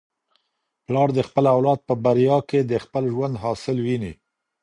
پلار د خپل اولاد په بریا کي د خپل ژوند حاصل ویني.